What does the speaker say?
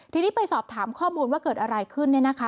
ทีนี้ไปสอบถามข้อมูลว่าเกิดอะไรขึ้นเนี่ยนะคะ